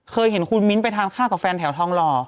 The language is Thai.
เคยเห็นคุณมิ้นไปทานข้าวกับแฟนแถวทองหล่อ